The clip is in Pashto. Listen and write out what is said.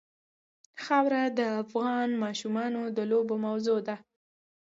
خاوره د افغان ماشومانو د لوبو موضوع ده.